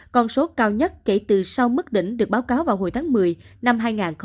con số cao nhất kể từ sau mức đỉnh được báo cáo vào hồi tháng một mươi năm hai nghìn một mươi tám